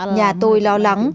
nhà tôi lo lắng